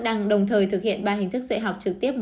đăng đồng thời thực hiện ba hình thức dạy học trực tiếp